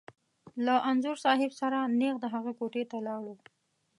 له انځور صاحب سره نېغ د هغه کوټې ته لاړو.